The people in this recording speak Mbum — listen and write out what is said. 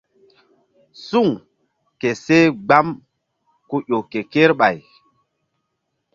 Suŋ ke seh gbam ku ƴo ke kerɓay.